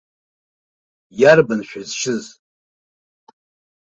Иарбан шәызшьыз?